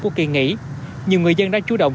của kỳ nghỉ nhiều người dân đã chú động